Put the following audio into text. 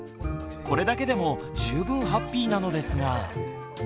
これだけでも十分ハッピーなのですが。